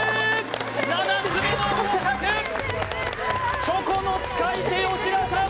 ７つ目の合格チョコの使い手吉田さん